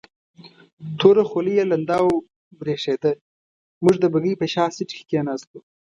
توره خولۍ یې لنده او برېښېده، موږ د بګۍ په شا سیټ کې کېناستو.